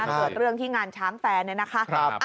เกิดเรื่องที่งานช้างแฟนเนี่ยนะคะ